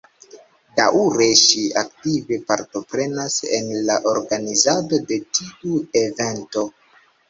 Daŭre ŝi aktive partoprenas en la organizado de tiu evento.